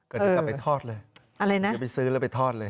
เกิดอยากกลับไปทอดเลย